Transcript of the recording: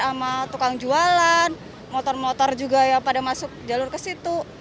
sama tukang jualan motor motor juga yang pada masuk jalur ke situ